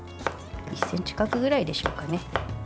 １ｃｍ角ぐらいでしょうかね。